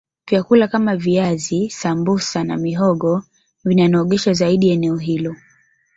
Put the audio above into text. vyakula Kama viazi sambusa na mihogo vinanogesha zaidi eneo hilo